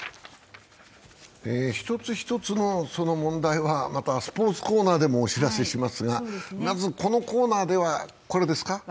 一つ一つの問題は、またスポーツコーナーでもお知らせしますが、まずこのコーナーではこれですか。